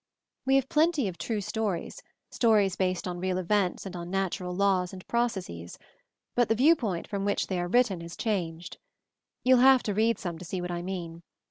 "We have plenty of 'true stories,' stories based on real events and on natural laws and processes; but the viewpoint from which they are written has changed ; you'll have to read some to see what I mean.